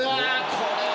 これは。